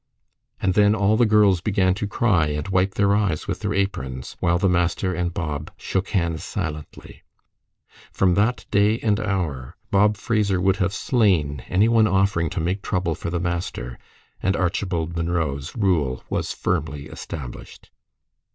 And then all the girls began to cry and wipe their eyes with their aprons, while the master and Bob shook hands silently. From that day and hour Bob Fraser would have slain any one offering to make trouble for the master, and Archibald Munro's rule was firmly established.